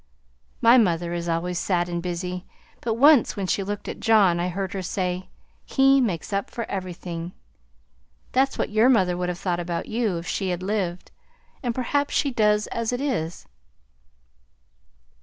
My mother is always sad and busy, but once when she looked at John I heard her say, 'He makes up for everything.' That's what your mother would have thought about you if she had lived, and perhaps she does as it is."